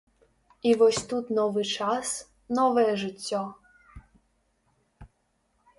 І вось тут новы час, новае жыццё.